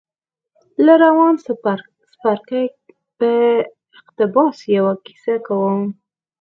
له روان څپرکي په اقتباس يوه کيسه کوم.